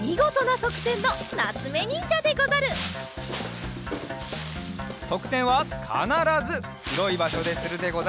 そくてんはかならずひろいばしょでするでござるぞ！